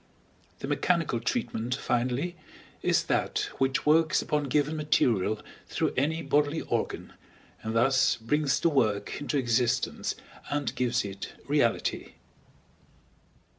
The mechanical treatment, finally, is that which works upon given material through any bodily organ, and thus brings the work into existence and gives it reality.